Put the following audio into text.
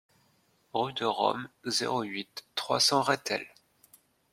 Rue de Rome, zéro huit, trois cents Rethel